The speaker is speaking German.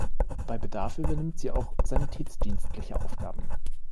Bei Bedarf übernimmt sie auch sanitätsdienstliche Aufgaben.